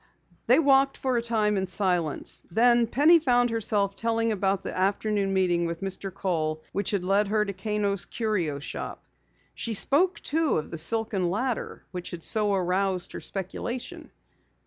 They walked for a time in silence. Then Penny found herself telling about the afternoon meeting with Mr. Kohl which had led her to Kano's Curio Shop. She spoke, too, of the silken ladder which had so aroused her speculation.